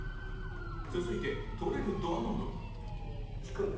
続いて取れるドアノブ引くんだ。